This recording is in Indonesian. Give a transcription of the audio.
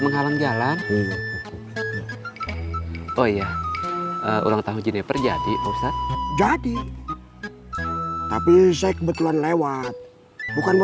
menghalang jalan oh iya ulang tahun gini terjadi urusan jadi tapi saya kebetulan lewat bukan